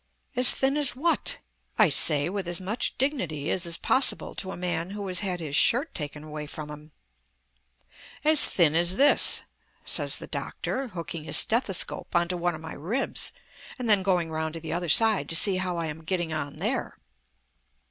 "As thin as what?" I say with as much dignity as is possible to a man who has had his shirt taken away from him. "As thin as this," says the doctor, hooking his stethoscope on to one of my ribs, and then going round to the other side to see how I am getting on there.